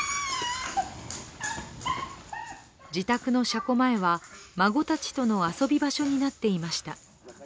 自宅の車庫前は孫たちとの遊び場所になっていました。